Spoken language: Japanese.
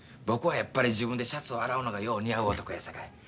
僕はやっぱり自分でシャツを洗うのがよう似合う男やさかい。